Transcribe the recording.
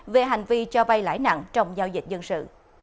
về hành vi cho vay lãi nặng trong giao dịch dân sự